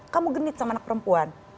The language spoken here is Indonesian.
kamu genit sama anak perempuan